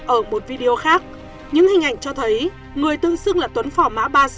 ở một video khác những hình ảnh cho thấy người tự xưng là tuấn phỏ má ba mươi sáu